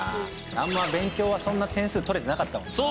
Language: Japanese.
あんま勉強はそんな点数とれてなかったもんな。